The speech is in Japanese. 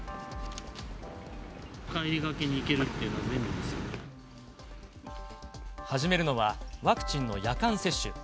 帰りがけに行けるというのは始めるのはワクチンの夜間接種。